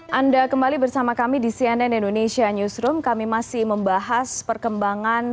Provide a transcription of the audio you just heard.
hai anda kembali bersama kami di cnn indonesia newsroom kami masih membahas perkembangan